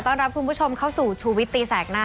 สวัสดีค่ะต้องรับคุณผู้ชมเข้าสู่ชูเวสตีศาสตร์หน้า